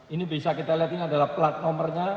ini bisa kita lihat ini adalah plat nomornya